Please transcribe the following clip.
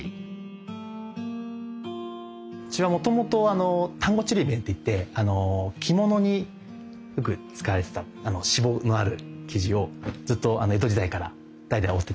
うちはもともと丹後ちりめんっていって着物によく使われてたシボのある生地をずっと江戸時代から代々織ってた家でして。